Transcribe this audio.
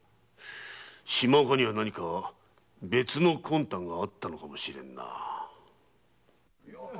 島岡には何か別の魂胆があったのかもしれぬな。